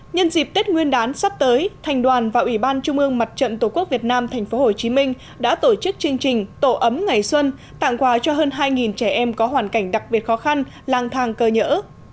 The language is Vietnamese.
nhân dịp tết nguyên đán sắp tới thành đoàn và ủy ban trung ương mặt trận tổ quốc việt nam tp hcm đã tổ chức chương trình tổ ấm ngày xuân tặng quà cho hơn hai trẻ em có hoàn cảnh đặc biệt khó khăn lang thang cơ nhỡ